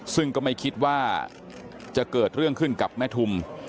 ซึ่งก็ไม่คิดว่าจะเกิดเรื่องขึ้นกับแม่ทุม